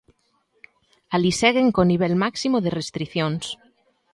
Alí seguen co nivel máximo de restricións.